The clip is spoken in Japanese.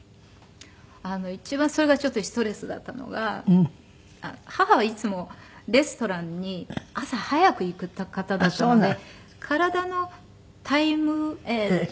一番それがちょっとストレスだったのが母はいつもレストランに朝早く行った方だったので体のタイム。